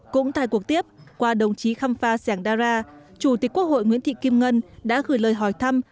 cũng tại cuộc tiếp qua đồng chí khăm pha sẻng đa ra chủ tịch quốc hội nguyễn thị kim ngân đã gửi lời hỏi thăm